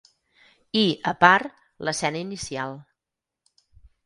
I, a part, l'escena inicial.